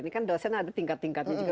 ini kan dosen ada tingkat tingkatnya juga